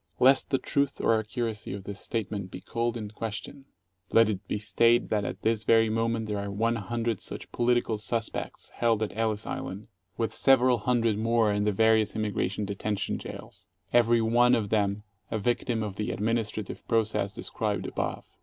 Lest the truth or accuracy of this statement be called in question, let it be stated that at this very moment there are one hundred such "political suspects" held at Ellis Island, with several hundred more in the various Immigration Detention jails, every one of them a victim of the administrative process described above.